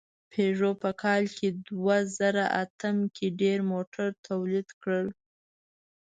پيژو په کال دوهزرهاتم کې ډېر موټر تولید کړل.